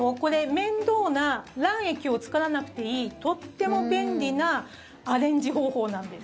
面倒な卵液を作らなくていいとっても便利なアレンジ方法なんです。